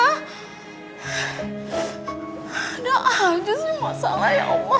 aduh aja sih masalah ya allah